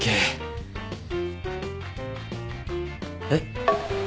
えっ？